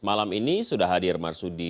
malam ini sudah hadir marsudi